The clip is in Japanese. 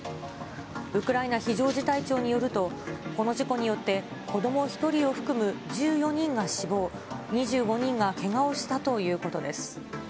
ウクライナ非常事態庁によると、この事故によって、子ども１人を含む１４人が死亡、２５人がけがをしたということです。